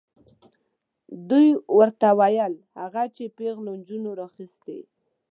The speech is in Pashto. دوی ورته وویل هغه چې پیغلو نجونو راخیستې.